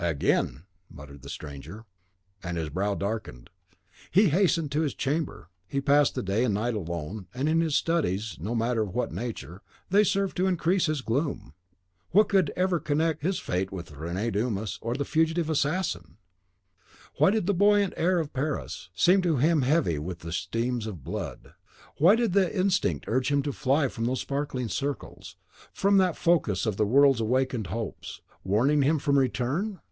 "AGAIN!" muttered the stranger, and his brow darkened. He hastened to his chamber; he passed the day and the night alone, and in studies, no matter of what nature, they served to increase his gloom. What could ever connect his fate with Rene Dumas, or the fugitive assassin? Why did the buoyant air of Paris seem to him heavy with the steams of blood; why did an instinct urge him to fly from those sparkling circles, from that focus of the world's awakened hopes, warning him from return?